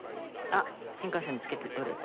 あっ新幹線のチケット取れた。